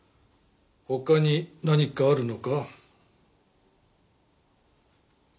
他に何かあるのか？